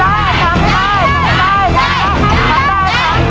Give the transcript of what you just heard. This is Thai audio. หัวหนึ่งหัวหนึ่ง